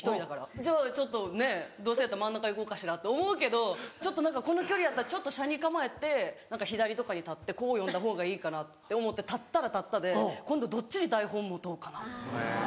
じゃあどうせやったら真ん中行こうかしらって思うけどこの距離やったら斜に構えて左とかに立ってこう読んだほうがいいかなと思って立ったら立ったで今度どっちに台本持とうかなと。